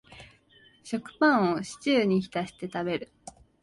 食パンをシチューに浸して食べる